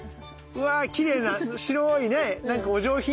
うわきれいな白いねなんかお上品な。